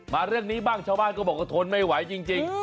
เรื่องนี้บ้างชาวบ้านก็บอกว่าทนไม่ไหวจริง